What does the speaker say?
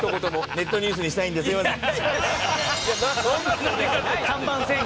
ネットニュースにしたいんですみません。